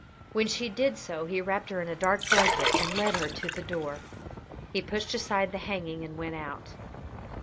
When she did so he wrapped her in a dark blanket and led her to the door. He pushed aside the hanging and went out.